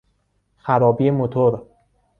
خرابی موتور